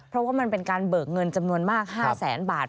เพราะว่ามันเป็นการเบิกเงินจำนวนมาก๕แสนบาท